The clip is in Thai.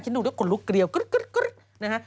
คิดดูด้วยกลุ่นลุกเกลียวกรึกกรึกกรึก